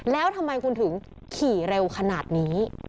แล้วทำไมคุณถึงขี่เร็วขนาดนี้